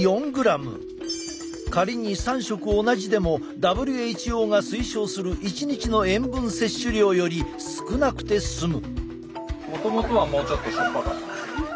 仮に３食同じでもＷＨＯが推奨する一日の塩分摂取量より少なくて済む。